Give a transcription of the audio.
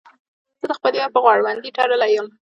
زه د خپل یار په غړوندي تړلی یم.